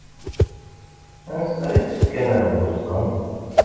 Ansa i ttekken ar Boston?